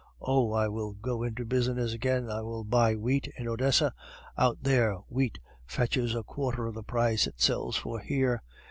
Oh! I will go into business again, I will buy wheat in Odessa; out there, wheat fetches a quarter of the price it sells for here.